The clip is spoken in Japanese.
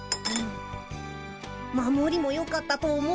守りもよかったと思うよ。